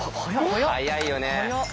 速いよね。